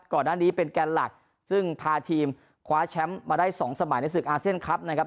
ก่อนหน้านี้เป็นแกนหลักซึ่งพาทีมคว้าแชมป์มาได้สองสมัยในศึกอาเซียนคลับนะครับ